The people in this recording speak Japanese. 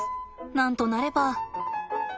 なんとなれば。